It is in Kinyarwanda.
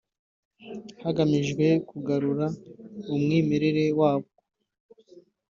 hagamijwe kugarura umwimerere wabwo